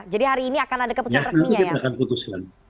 jadi hari ini akan ada keputusan resminya ya